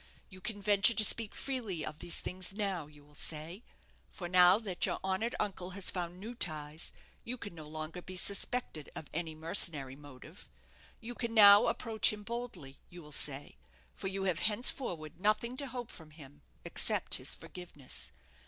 You can venture to speak freely of these things now, you will say, for now that your honoured uncle has found new ties you can no longer be suspected of any mercenary motive. You can now approach him boldly, you will say, for you have henceforward nothing to hope from him except his forgiveness.